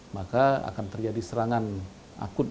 maka akan terjadi serangan akut